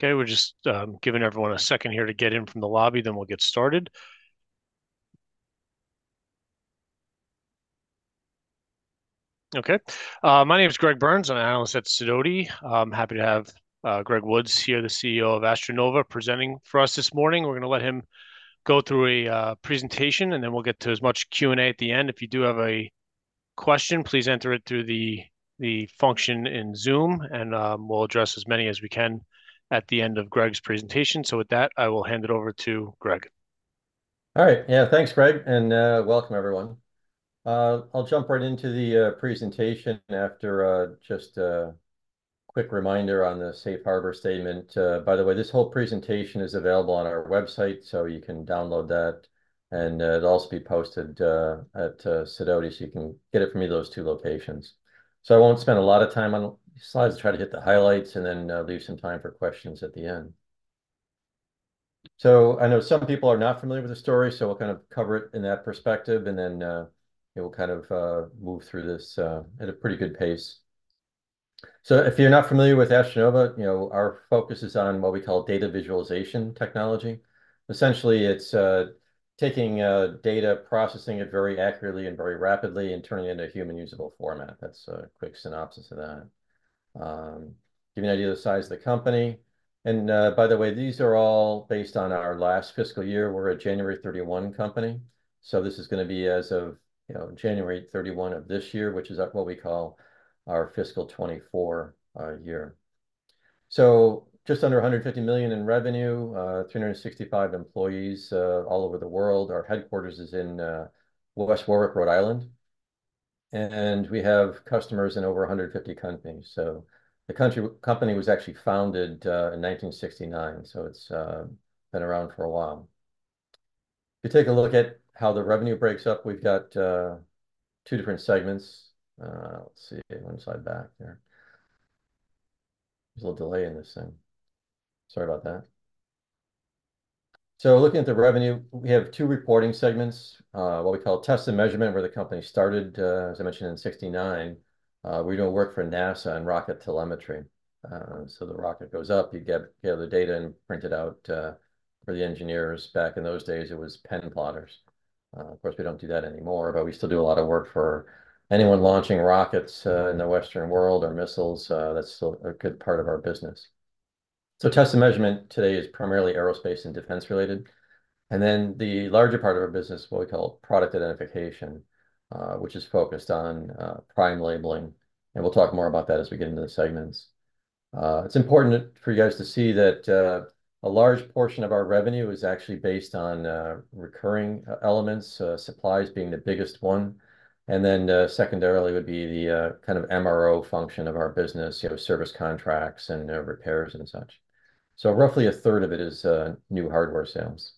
Okay, we're just giving everyone a second here to get in from the lobby, then we'll get started. Okay, my name is Greg Burns. I'm an analyst at Sidoti. Happy to have Greg Woods here, the CEO of AstroNova, presenting for us this morning. We're going to let him go through a presentation, and then we'll get to as much Q&A at the end. If you do have a question, please enter it through the function in Zoom, and we'll address as many as we can at the end of Greg's presentation. So with that, I will hand it over to Greg. All right. Yeah, thanks, Greg, and welcome, everyone. I'll jump right into the presentation after just a quick reminder on the Safe Harbor statement. By the way, this whole presentation is available on our website, so you can download that, and it'll also be posted at Sidoti, so you can get it from either of those two locations. So I won't spend a lot of time on slides, try to hit the highlights, and then leave some time for questions at the end. So I know some people are not familiar with the story, so we'll kind of cover it in that perspective, and then, you know, we'll kind of move through this at a pretty good pace. So if you're not familiar with AstroNova, you know, our focus is on what we call data visualization technology. Essentially, it's taking data, processing it very accurately and very rapidly, and turning it into a human-usable format. That's a quick synopsis of that. Give you an idea of the size of the company. By the way, these are all based on our last fiscal year. We're a January 31 company, so this is going to be as of, you know, January 31 of this year, which is what we call our fiscal 2024 year. So just under $150 million in revenue, 365 employees, all over the world. Our headquarters is in West Warwick, Rhode Island. And we have customers in over 150 countries. So the company was actually founded in 1969, so it's been around for a while. If you take a look at how the revenue breaks up, we've got two different segments. Let's see, one slide back there. There's a little delay in this thing. Sorry about that. So looking at the revenue, we have two reporting segments, what we call test and measurement, where the company started, as I mentioned, in 1969. We don't work for NASA and rocket telemetry. So the rocket goes up, you gather data and print it out, for the engineers. Back in those days, it was pen plotters. Of course, we don't do that anymore, but we still do a lot of work for anyone launching rockets, in the Western world or missiles. That's still a good part of our business. So test and measurement today is primarily aerospace and defense related. And then the larger part of our business, what we call product identification, which is focused on prime labeling. And we'll talk more about that as we get into the segments. It's important for you guys to see that a large portion of our revenue is actually based on recurring elements, supplies being the biggest one. And then secondarily would be the kind of MRO function of our business, you know, service contracts and repairs and such. So roughly a third of it is new hardware sales.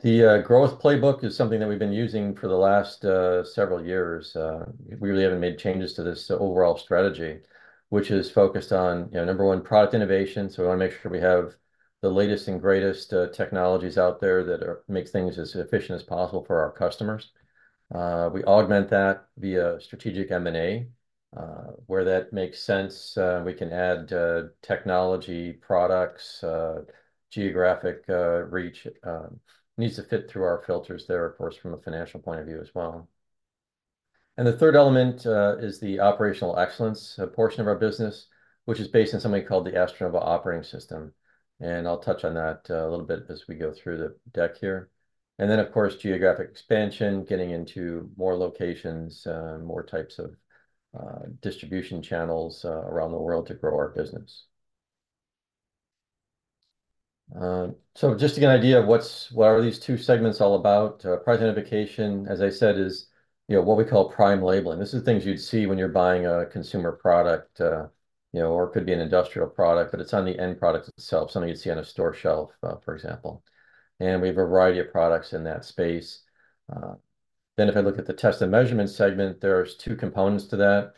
The growth playbook is something that we've been using for the last several years. We really haven't made changes to this overall strategy, which is focused on, you know, number one, product innovation. So we want to make sure we have the latest and greatest technologies out there that makes things as efficient as possible for our customers. We augment that via strategic M&A, where that makes sense. We can add technology, products, geographic reach needs to fit through our filters there, of course, from a financial point of view as well. And the third element is the operational excellence, a portion of our business, which is based on something called the AstroNova Operating System. I'll touch on that a little bit as we go through the deck here. Then, of course, geographic expansion, getting into more locations, more types of distribution channels around the world to grow our business. So just to get an idea of what are these two segments all about, Product Identification, as I said, is, you know, what we call prime labeling. This is things you'd see when you're buying a consumer product, you know, or it could be an industrial product, but it's on the end product itself, something you'd see on a store shelf, for example. And we have a variety of products in that space. Then if I look at the Test and Measurement segment, there's two components to that.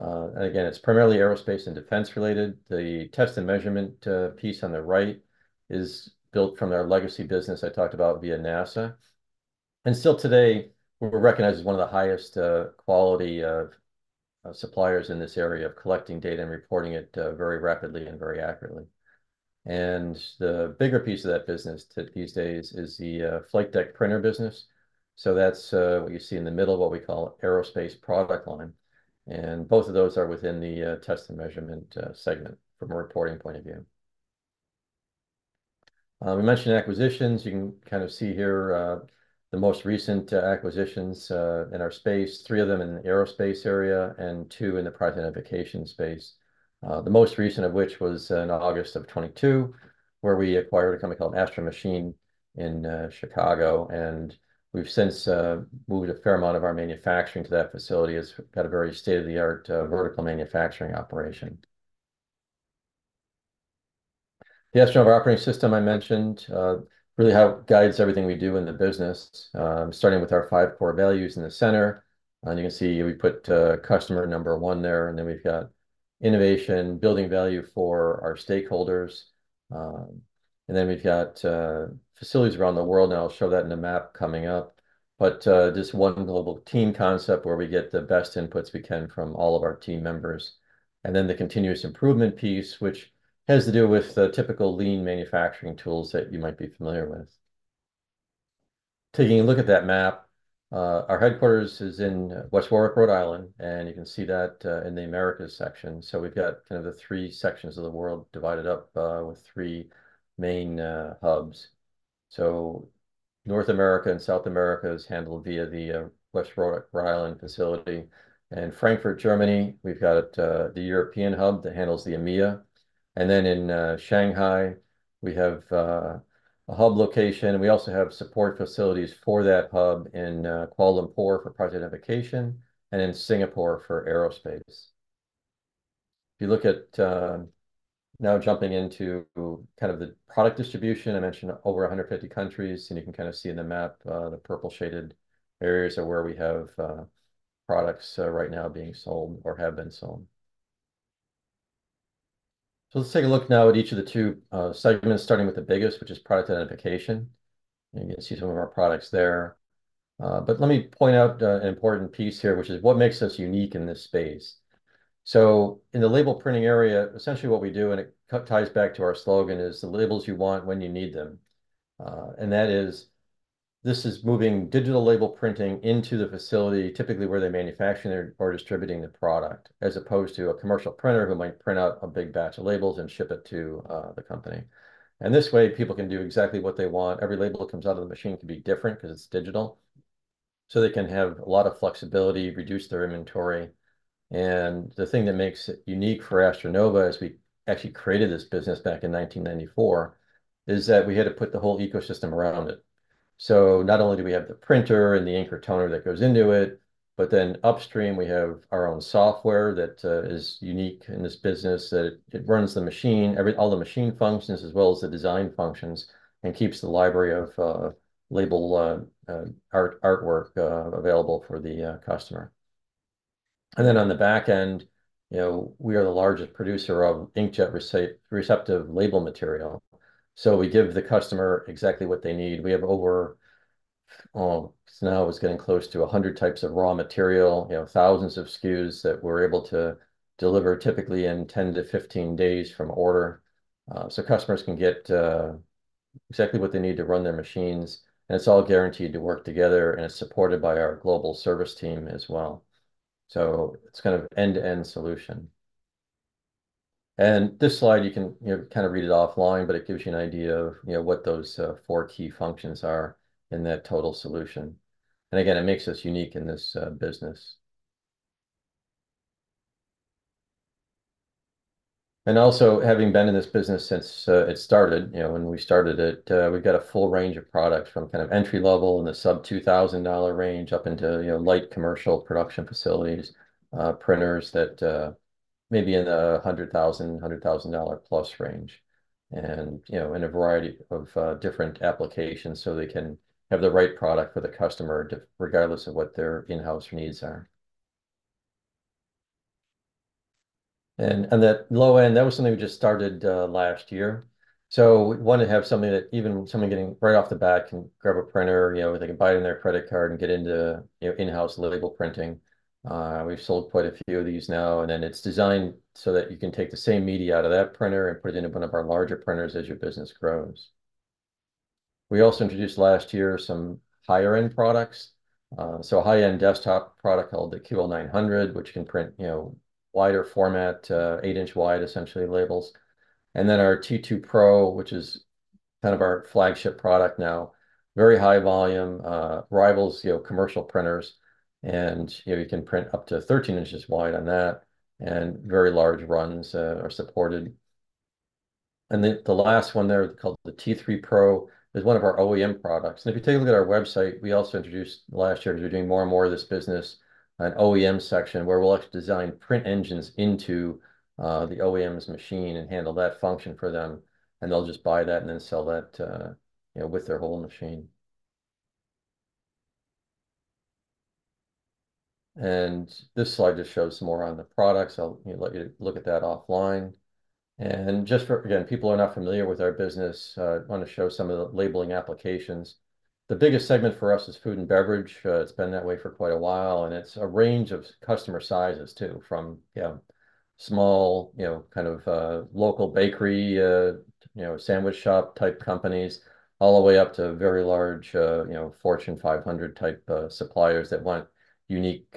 And again, it's primarily aerospace and defense related. The test and measurement piece on the right is built from their legacy business I talked about via NASA. And still today, we're recognized as one of the highest quality suppliers in this area of collecting data and reporting it very rapidly and very accurately. And the bigger piece of that business these days is the flight deck printer business. So that's what you see in the middle of what we call aerospace product line. And both of those are within the test and measurement segment from a reporting point of view. We mentioned acquisitions. You can kind of see here the most recent acquisitions in our space, three of them in the aerospace area and two in the product identification space. The most recent of which was in August of 2022, where we acquired a company called Astro Machine in Chicago, and we've since moved a fair amount of our manufacturing to that facility. It's got a very state-of-the-art vertical manufacturing operation. The AstroNova Operating System I mentioned really guides everything we do in the business, starting with our five core values in the center. And you can see we put customer number one there, and then we've got innovation, building value for our stakeholders. And then we've got facilities around the world. Now I'll show that in a map coming up. But this one global team concept where we get the best inputs we can from all of our team members. And then the continuous improvement piece, which has to do with the typical lean manufacturing tools that you might be familiar with. Taking a look at that map, our headquarters is in West Warwick, Rhode Island, and you can see that, in the Americas section. So we've got kind of the three sections of the world divided up, with three main hubs. So North America and South America is handled via the West Warwick, Rhode Island facility. And Frankfurt, Germany, we've got it, the European hub that handles the EMEA. And then in Shanghai, we have a hub location, and we also have support facilities for that hub in Kuala Lumpur for product identification and in Singapore for aerospace. If you look at, now jumping into kind of the product distribution, I mentioned over 150 countries, and you can kind of see in the map, the purple shaded areas are where we have products right now being sold or have been sold. So let's take a look now at each of the two segments, starting with the biggest, which is Product Identification. You can see some of our products there. But let me point out an important piece here, which is what makes us unique in this space. So in the label printing area, essentially what we do, and it ties back to our slogan, is the labels you want when you need them. And that is, this is moving digital label printing into the facility, typically where they manufacture or distribute the product, as opposed to a commercial printer who might print out a big batch of labels and ship it to the company. And this way, people can do exactly what they want. Every label that comes out of the machine can be different because it's digital. So they can have a lot of flexibility, reduce their inventory. The thing that makes it unique for AstroNova, as we actually created this business back in 1994, is that we had to put the whole ecosystem around it. So not only do we have the printer and the ink or toner that goes into it, but then upstream, we have our own software that is unique in this business, that it runs the machine, all the machine functions as well as the design functions, and keeps the library of label artwork available for the customer. And then on the back end, you know, we are the largest producer of inkjet receptive label material. So we give the customer exactly what they need. We have over, oh, because now it was getting close to 100 types of raw material, you know, thousands of SKUs that we're able to deliver typically in 10-15 days from order. So customers can get exactly what they need to run their machines. And it's all guaranteed to work together, and it's supported by our global service team as well. So it's kind of end-to-end solution. And this slide, you can, you know, kind of read it offline, but it gives you an idea of, you know, what those four key functions are in that total solution. And again, it makes us unique in this business. And also having been in this business since it started, you know, when we started it, we've got a full range of products from kind of entry-level in the sub-$2,000 range up into, you know, light commercial production facilities, printers that maybe in the $100,000, $100,000 plus range. And, you know, in a variety of different applications so they can have the right product for the customer regardless of what their in-house needs are. On that low end, that was something we just started last year. We want to have something that even somebody getting right off the bat can grab a printer, you know, they can buy it on their credit card and get into, you know, in-house label printing. We've sold quite a few of these now, and then it's designed so that you can take the same media out of that printer and put it in one of our larger printers as your business grows. We also introduced last year some higher-end products, a high-end desktop product called the QL-900, which can print, you know, wider format, 8-inch-wide essentially labels. Then our T2-PRO, which is kind of our flagship product now, very high volume, rivals, you know, commercial printers. You know, you can print up to 13 inches wide on that, and very large runs are supported. The last one there, called the T3-PRO, is one of our OEM products. If you take a look at our website, we also introduced last year, as we're doing more and more of this business, an OEM section where we'll actually design print engines into the OEM's machine and handle that function for them. They'll just buy that and then sell that, you know, with their whole machine. This slide just shows some more on the products. I'll, you know, let you look at that offline. Just for, again, people who are not familiar with our business, I want to show some of the labeling applications. The biggest segment for us is food and beverage. It's been that way for quite a while, and it's a range of customer sizes too, from, you know, small, you know, kind of, local bakery, you know, sandwich shop type companies, all the way up to very large, you know, Fortune 500 type, suppliers that want unique,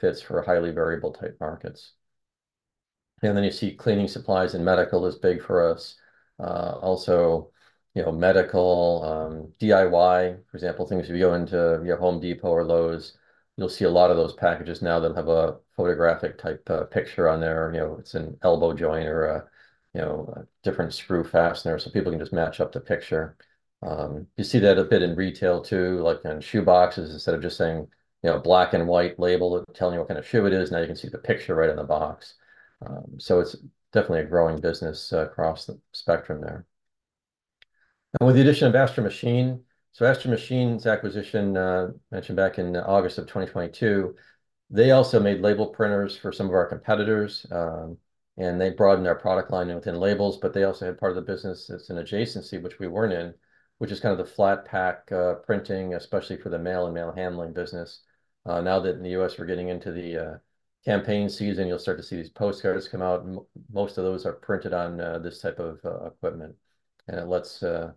fits for highly variable type markets. And then you see cleaning supplies and medical is big for us. Also, you know, medical, DIY, for example, things if you go into, you know, Home Depot or Lowe's, you'll see a lot of those packages now that have a photographic-type picture on there. You know, it's an elbow joint or a, you know, a different screw fastener so people can just match up the picture. You see that a bit in retail too, like on shoe boxes instead of just saying, you know, black and white label telling you what kind of shoe it is. Now you can see the picture right in the box. So it's definitely a growing business, across the spectrum there. And with the addition of Astro Machine, so Astro Machine's acquisition, mentioned back in August of 2022, they also made label printers for some of our competitors. And they broadened their product line within labels, but they also had part of the business that's in adjacency, which we weren't in, which is kind of the flat pack, printing, especially for the mail and mail handling business. Now that in the US we're getting into the campaign season, you'll start to see these postcards come out. Most of those are printed on this type of equipment. It lets you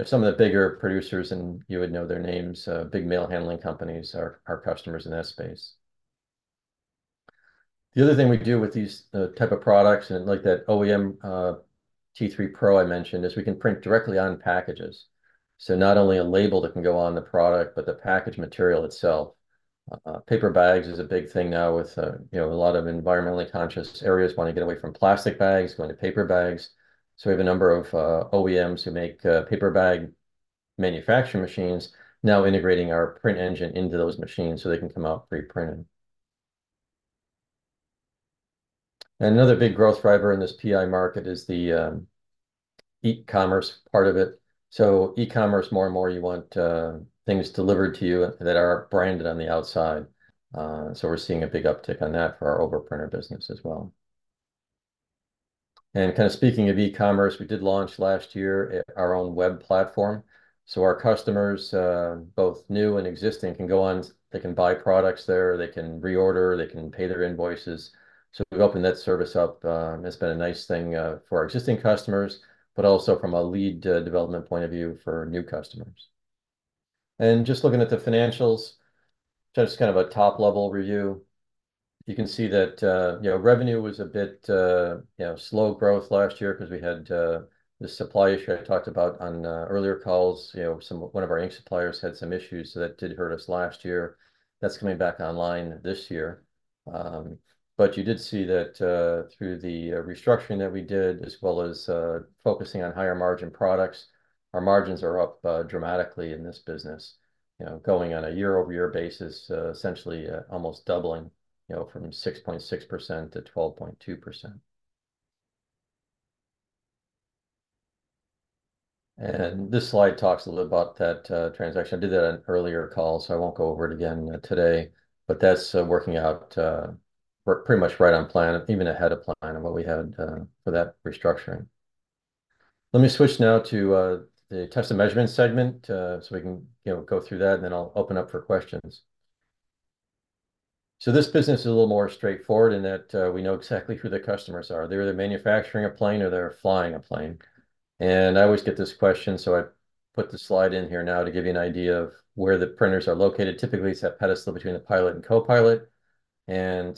know some of the bigger producers, and you would know their names. Big mail handling companies are our customers in that space. The other thing we do with these type of products and like that OEM T3-PRO I mentioned is we can print directly on packages. So not only a label that can go on the product, but the package material itself. Paper bags is a big thing now with you know a lot of environmentally conscious areas wanting to get away from plastic bags, going to paper bags. So we have a number of OEMs who make paper bag manufacturing machines now integrating our print engine into those machines so they can come out pre-printed. Another big growth driver in this PI market is the e-commerce part of it. So e-commerce more and more, you want things delivered to you that are branded on the outside. So we're seeing a big uptick on that for our overprinter business as well. And kind of speaking of e-commerce, we did launch last year our own web platform. So our customers, both new and existing, can go on, they can buy products there, they can reorder, they can pay their invoices. So we've opened that service up. It's been a nice thing for our existing customers, but also from a lead development point of view for new customers. And just looking at the financials, just kind of a top-level review. You can see that, you know, revenue was a bit, you know, slow growth last year because we had this supply issue I talked about on earlier calls. You know, one of our ink suppliers had some issues that did hurt us last year. That's coming back online this year. But you did see that, through the restructuring that we did as well as focusing on higher margin products, our margins are up dramatically in this business. You know, going on a year-over-year basis, essentially almost doubling, you know, from 6.6% to 12.2%. And this slide talks a little bit about that transaction. I did that on earlier calls, so I won't go over it again today. But that's working out pretty much right on plan, even ahead of plan on what we had for that restructuring. Let me switch now to the test and measurement segment, so we can, you know, go through that, and then I'll open up for questions. So this business is a little more straightforward in that, we know exactly who the customers are. They're either manufacturing a plane or they're flying a plane. And I always get this question, so I put the slide in here now to give you an idea of where the printers are located. Typically, it's that pedestal between the pilot and co-pilot. And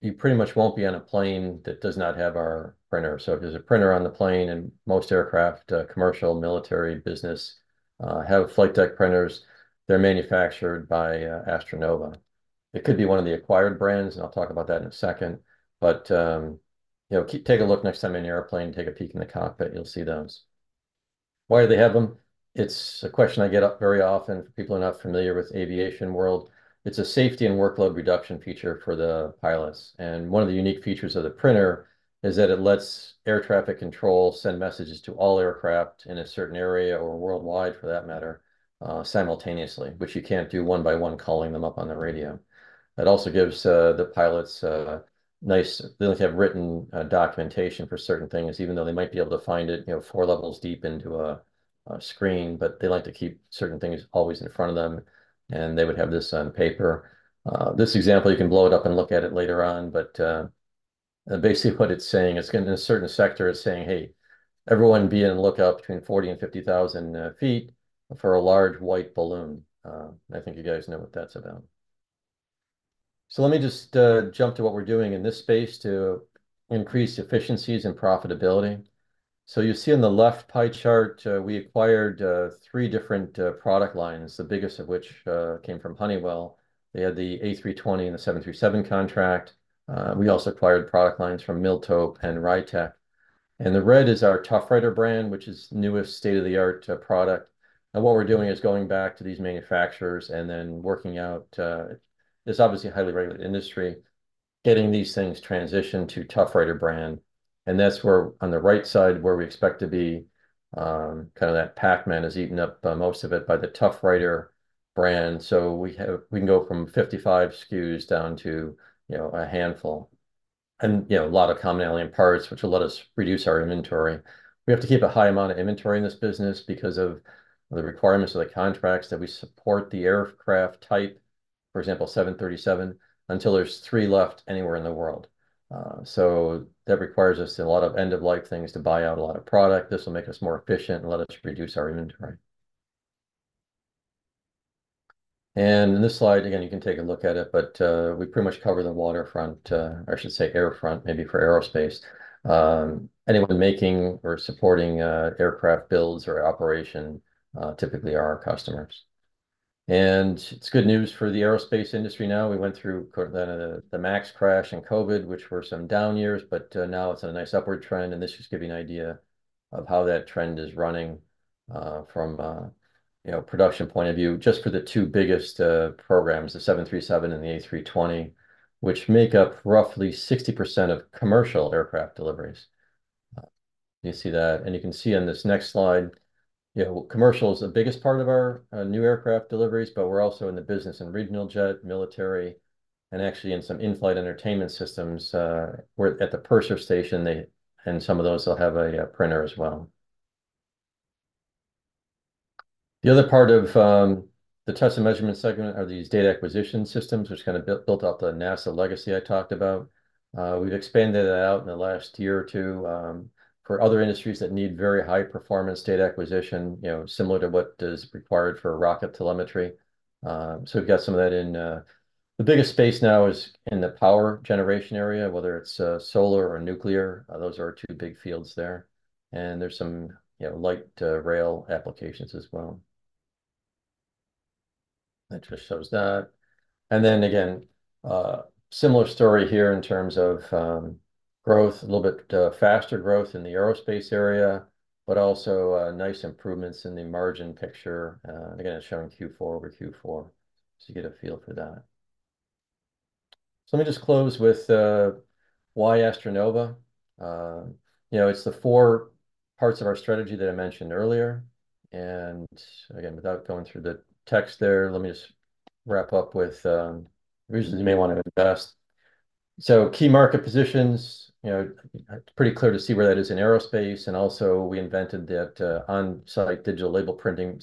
you pretty much won't be on a plane that does not have our printer. So if there's a printer on the plane, and most aircraft, commercial, military, business, have flight deck printers, they're manufactured by, AstroNova. It could be one of the acquired brands, and I'll talk about that in a second. But, you know, take a look next time in your airplane, take a peek in the cockpit, you'll see those. Why do they have them? It's a question I get up very often for people who are not familiar with the aviation world. It's a safety and workload reduction feature for the pilots. And one of the unique features of the printer is that it lets air traffic control send messages to all aircraft in a certain area or worldwide, for that matter, simultaneously, which you can't do one by one calling them up on the radio. It also gives the pilots nice—they like to have written documentation for certain things, even though they might be able to find it, you know, four levels deep into a screen, but they like to keep certain things always in front of them. And they would have this on paper. this example, you can blow it up and look at it later on, but basically what it's saying is in a certain sector, it's saying, "Hey, everyone be on lookout between 40 and 50,000 feet for a large white balloon." And I think you guys know what that's about. So let me just jump to what we're doing in this space to increase efficiencies and profitability. So you see on the left pie chart, we acquired three different product lines, the biggest of which came from Honeywell. They had the A320 and the 737 contract. We also acquired product lines from Miltope and RITEC. And the red is our ToughWriter brand, which is the newest state-of-the-art product. And what we're doing is going back to these manufacturers and then working out, it's obviously a highly regulated industry, getting these things transitioned to ToughWriter brand. That's where on the right side, where we expect to be, kind of that Pac-Man has eaten up most of it by the ToughWriter brand. So we have, we can go from 55 SKUs down to, you know, a handful. And, you know, a lot of commonality in parts, which will let us reduce our inventory. We have to keep a high amount of inventory in this business because of the requirements of the contracts that we support the aircraft type, for example, 737, until there's 3 left anywhere in the world. So that requires us a lot of end-of-life things to buy out a lot of product. This will make us more efficient and let us reduce our inventory. And in this slide, again, you can take a look at it, but we pretty much cover the waterfront, or I should say airfront, maybe for aerospace. Anyone making or supporting aircraft builds or operation typically are our customers. And it's good news for the aerospace industry now. We went through the MAX crash and COVID, which were some down years, but now it's in a nice upward trend, and this just gives you an idea of how that trend is running, from, you know, production point of view, just for the two biggest programs, the 737 and the A320, which make up roughly 60% of commercial aircraft deliveries. You see that, and you can see on this next slide, you know, commercial is the biggest part of our new aircraft deliveries, but we're also in the business and regional jet, military, and actually in some in-flight entertainment systems. We're at the purser station, and some of those will have a printer as well. The other part of the test and measurement segment are these data acquisition systems, which kind of built out the NASA legacy I talked about. We've expanded that out in the last year or two, for other industries that need very high-performance data acquisition, you know, similar to what is required for rocket telemetry. So we've got some of that in, the biggest space now is in the power generation area, whether it's solar or nuclear. Those are our two big fields there. And there's some, you know, light rail applications as well. That just shows that. And then again, similar story here in terms of growth, a little bit faster growth in the aerospace area, but also nice improvements in the margin picture. And again, it's showing Q4 over Q4, so you get a feel for that. So let me just close with why AstroNova. You know, it's the four parts of our strategy that I mentioned earlier. And again, without going through the text there, let me just wrap up with reasons you may want to invest. So key market positions, you know, it's pretty clear to see where that is in aerospace. And also we invented that, on-site digital label printing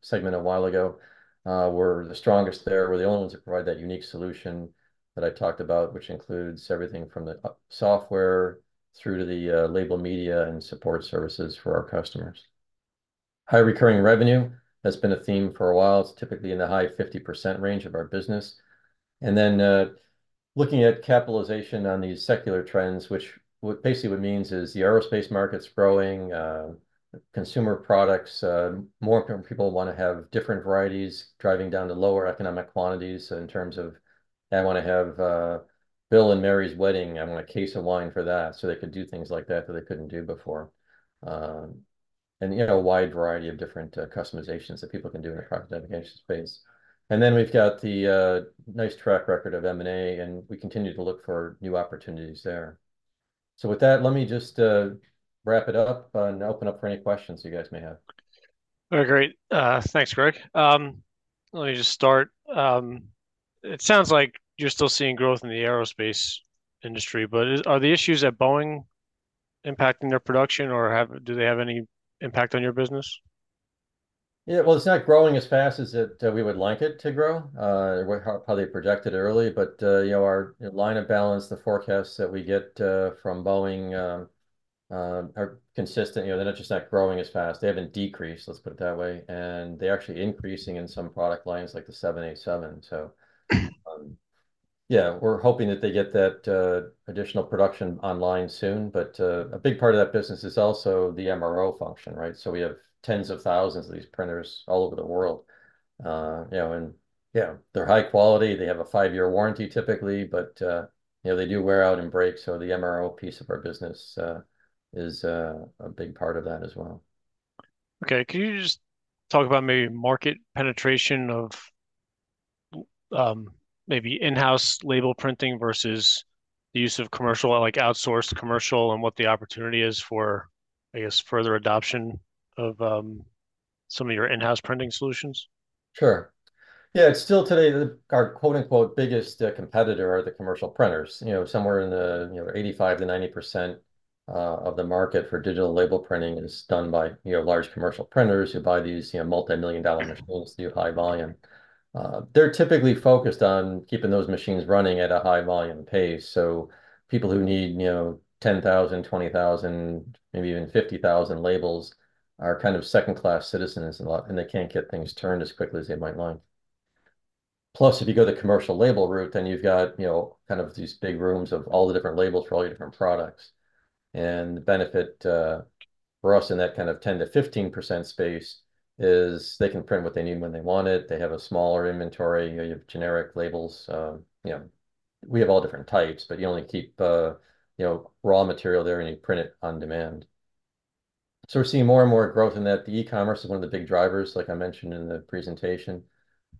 segment a while ago. We're the strongest there. We're the only ones that provide that unique solution that I talked about, which includes everything from the software through to the label media and support services for our customers. High recurring revenue has been a theme for a while. It's typically in the high 50% range of our business. And then, looking at capitalization on these secular trends, which basically what it means is the aerospace market's growing, consumer products, more people want to have different varieties driving down to lower economic quantities in terms of, "I want to have, Bill and Mary's wedding. I want a case of wine for that," so they could do things like that that they couldn't do before. And you know, a wide variety of different, customizations that people can do in the product identification space. And then we've got the nice track record of M&A, and we continue to look for new opportunities there. So with that, let me just wrap it up and open up for any questions you guys may have. All right, great. Thanks, Greg. Let me just start. It sounds like you're still seeing growth in the aerospace industry, but are the issues at Boeing impacting their production, or do they have any impact on your business? Yeah, well, it's not growing as fast as it we would like it to grow. We probably projected early, but, you know, our line of balance, the forecasts that we get from Boeing, are consistent. You know, they're not just not growing as fast. They have been decreased, let's put it that way. And they're actually increasing in some product lines like the 787. So, yeah, we're hoping that they get that additional production online soon. But a big part of that business is also the MRO function, right? So we have tens of thousands of these printers all over the world. You know, and yeah, they're high quality. They have a five-year warranty typically, but, you know, they do wear out and break. So the MRO piece of our business is a big part of that as well. Okay, can you just talk about maybe market penetration of maybe in-house label printing versus the use of commercial, like outsourced commercial, and what the opportunity is for, I guess, further adoption of some of your in-house printing solutions? Sure. Yeah, it's still today our quote-unquote biggest competitor are the commercial printers. You know, somewhere in the 85%-90% of the market for digital label printing is done by large commercial printers who buy these multimillion-dollar machines that do high volume. They're typically focused on keeping those machines running at a high volume pace. So people who need, you know, 10,000, 20,000, maybe even 50,000 labels are kind of second-class citizens a lot, and they can't get things turned as quickly as they might like. Plus, if you go the commercial label route, then you've got, you know, kind of these big rooms of all the different labels for all your different products. And the benefit, for us in that kind of 10%-15% space is they can print what they need when they want it. They have a smaller inventory. You know, you have generic labels. You know, we have all different types, but you only keep, you know, raw material there and you print it on demand. So we're seeing more and more growth in that. The e-commerce is one of the big drivers, like I mentioned in the presentation,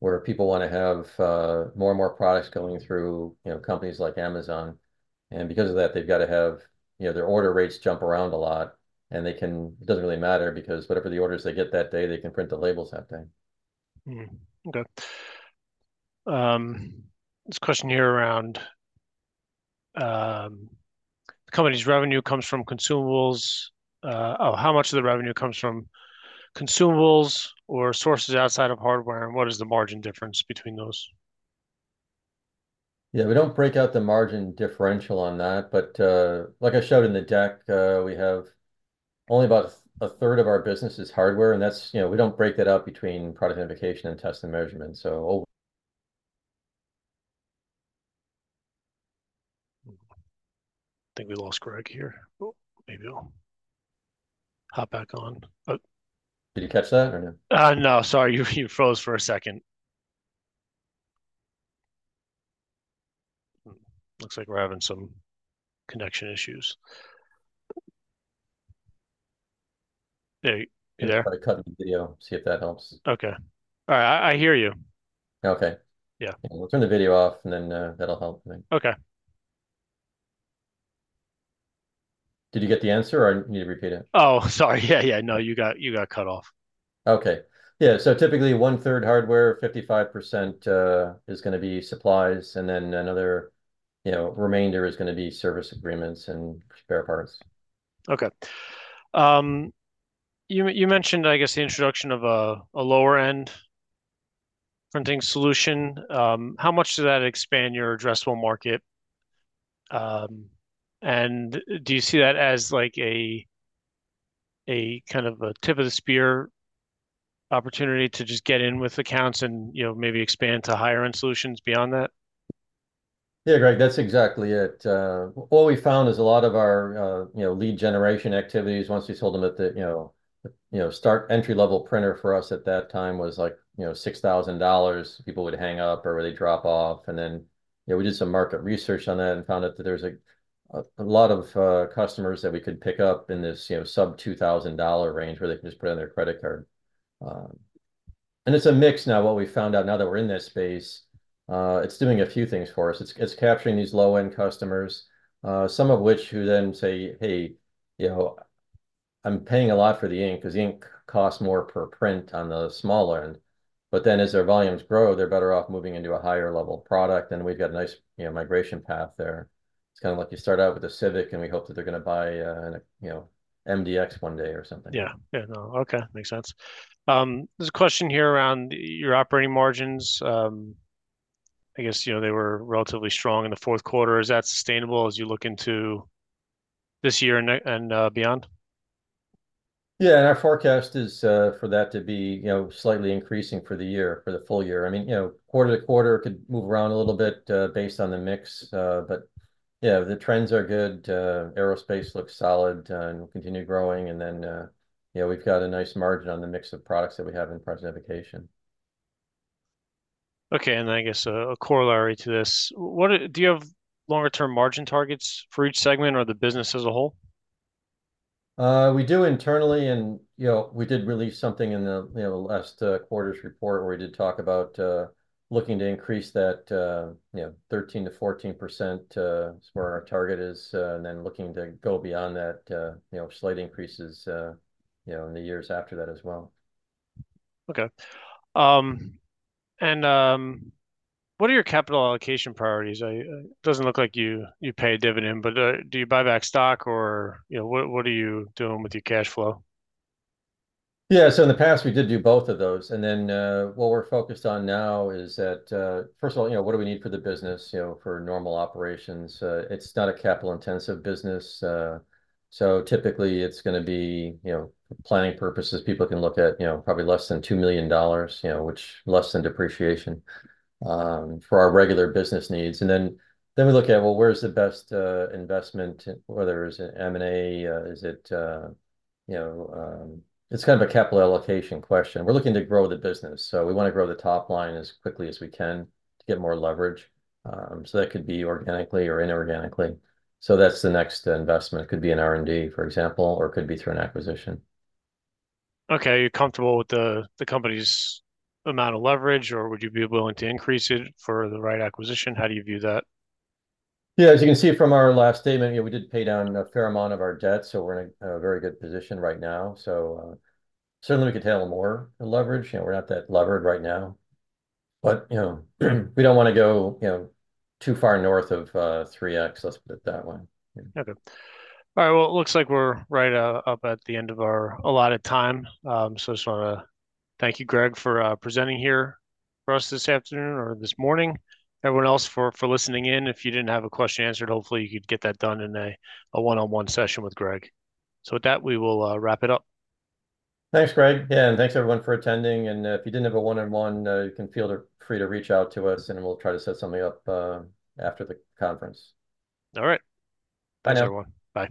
where people want to have more and more products going through, you know, companies like Amazon. And because of that, they've got to have, you know, their order rates jump around a lot, and they can, it doesn't really matter because whatever the orders they get that day, they can print the labels that day. Okay. This question here around the company's revenue comes from consumables. Oh, how much of the revenue comes from consumables or sources outside of hardware, and what is the margin difference between those? Yeah, we don't break out the margin differential on that, but like I showed in the deck, we have only about a third of our business is hardware, and that's, you know, we don't break that out between product identification and test and measurement. So. I think we lost Greg here. Oh, maybe I'll hop back on. Did you catch that or no? No, sorry, you froze for a second. Looks like we're having some connection issues. Yeah, you there? I'll try to cut the video, see if that helps. Okay. All right, I hear you. Okay. Yeah. We'll turn the video off, and then that'll help, I think. Okay. Did you get the answer or I need to repeat it? Oh, sorry. Yeah, yeah. No, you got cut off. Okay. Yeah, so typically 1/3 hardware, 55% is going to be supplies, and then another, you know, remainder is going to be service agreements and spare parts. Okay. You mentioned, I guess, the introduction of a lower-end printing solution. How much does that expand your addressable market? Do you see that as like a kind of a tip of the spear opportunity to just get in with accounts and maybe expand to higher-end solutions beyond that? Yeah, Greg, that's exactly it. All we found is a lot of our, you know, lead generation activities, once we sold them at the, you know, start entry-level printer for us at that time was like, you know, $6,000. People would hang up or they'd drop off. And then, you know, we did some market research on that and found out that there's a lot of customers that we could pick up in this, you know, sub-$2,000 range where they can just put in their credit card. And it's a mix now, what we found out now that we're in this space. It's doing a few things for us. It's capturing these low-end customers, some of which who then say, "Hey, you know, I'm paying a lot for the ink because the ink costs more per print on the smaller end." But then as their volumes grow, they're better off moving into a higher-level product, and we've got a nice, you know, migration path there. It's kind of like you start out with a Civic, and we hope that they're going to buy an, you know, MDX one day or something. Yeah, yeah, no, okay, makes sense. There's a question here around your operating margins. I guess, you know, they were relatively strong in the fourth quarter. Is that sustainable as you look into this year and beyond? Yeah, and our forecast is for that to be, you know, slightly increasing for the year, for the full-year. I mean, you know, quarter-to-quarter could move around a little bit based on the mix, but yeah, the trends are good. Aerospace looks solid and will continue growing. And then, you know, we've got a nice margin on the mix of products that we have in product identification. Okay, and I guess a corollary to this, do you have longer-term margin targets for each segment or the business as a whole? We do internally, and you know, we did release something in the, you know, last quarter's report where we did talk about looking to increase that, you know, 13%-14% is where our target is, and then looking to go beyond that, you know, slight increases, you know, in the years after that as well. Okay. And what are your capital allocation priorities? It doesn't look like you pay dividend, but do you buy back stock or, you know, what are you doing with your cash flow? Yeah, so in the past, we did do both of those. And then what we're focused on now is that, first of all, you know, what do we need for the business, you know, for normal operations? It's not a capital-intensive business. So typically, it's going to be, you know, for planning purposes, people can look at, you know, probably less than $2 million, you know, which is less than depreciation for our regular business needs. And then we look at, well, where's the best investment? Whether it's an M&A, is it, you know, it's kind of a capital allocation question. We're looking to grow the business. So we want to grow the top line as quickly as we can to get more leverage. So that could be organically or inorganically. So that's the next investment. It could be an R&D, for example, or it could be through an acquisition. Okay, are you comfortable with the company's amount of leverage, or would you be willing to increase it for the right acquisition? How do you view that? Yeah, as you can see from our last statement, you know, we did pay down a fair amount of our debt, so we're in a very good position right now. So certainly, we could handle more leverage. You know, we're not that levered right now. But, you know, we don't want to go, you know, too far north of 3X, let's put it that way. Okay. All right, well, it looks like we're right up at the end of our allotted time. So I just want to thank you, Greg, for presenting here for us this afternoon or this morning. Everyone else for listening in, if you didn't have a question answered, hopefully you could get that done in a one-on-one session with Greg. So with that, we will wrap it up. Thanks, Greg. Yeah, and thanks everyone for attending. And if you didn't have a one-on-one, you can feel free to reach out to us, and we'll try to set something up after the conference. All right. Thanks, everyone. Bye.